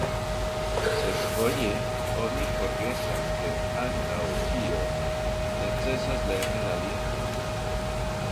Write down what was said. Sed foje oni forgesas, ke antaŭ ĉio necesas lerni la lingvon.